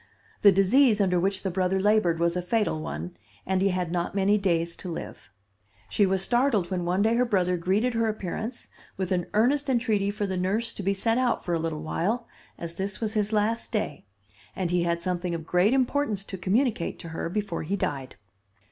The disease under which the brother labored was a fatal one, and he had not many days to live. She was startled when one day her brother greeted her appearance, with an earnest entreaty for the nurse to be sent out for a little while, as this was his last day, and he had something of great importance to communicate to her before he died.